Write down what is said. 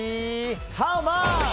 ハウマッチ。